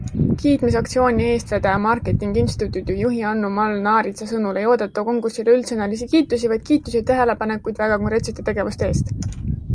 Kiitmisaktsiooni eestvedaja Marketingi isntituudi juhi Anu-Mall Naaritsa sõnul ei oodata konkursile üldsõnalisi kiitusi, vaid kiitusi ja tähelepanekuid väga konkreetsete tegevuste eest.